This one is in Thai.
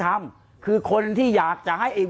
การแก้เคล็ดบางอย่างแค่นั้นเอง